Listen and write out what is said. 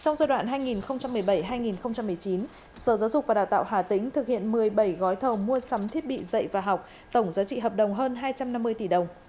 trong giai đoạn hai nghìn một mươi bảy hai nghìn một mươi chín sở giáo dục và đào tạo hà tĩnh thực hiện một mươi bảy gói thầu mua sắm thiết bị dạy và học tổng giá trị hợp đồng hơn hai trăm năm mươi tỷ đồng